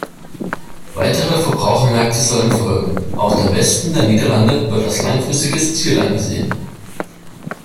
Weitere Verbrauchermärkte sollen folgen, auch der Westen der Niederlande wird als langfristiges Ziel angesehen.